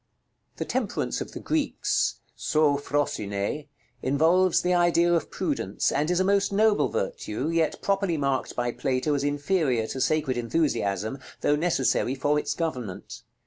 The Temperance of the Greeks, [Greek: sôphrosynê], involves the idea of Prudence, and is a most noble virtue, yet properly marked by Plato as inferior to sacred enthusiasm, though necessary for its government.